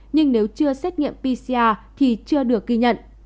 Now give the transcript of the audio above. nhưng nếu chưa xét nghiệm pcr thì chưa được ghi nhận